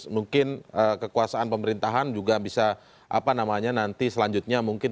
mungkin kekuasaan pemerintahan juga bisa apa namanya nanti selanjutnya mungkin